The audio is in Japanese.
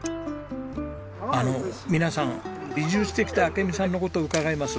あの皆さん移住してきた明美さんの事伺います。